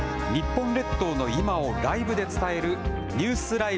日本列島の今をライブで伝える、ニュースＬＩＶＥ！